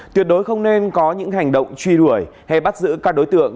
tuyệt đối không nên có những hành động truy đuổi hay bắt giữ các đối tượng